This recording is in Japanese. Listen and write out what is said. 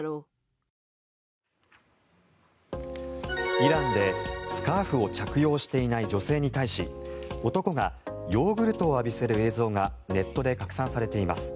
イランで、スカーフを着用していない女性に対し男がヨーグルトを浴びせる映像がネットで拡散されています。